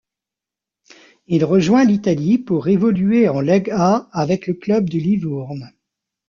Il rejoint l'Italie pour évoluer en LegA avec le club de Livourne.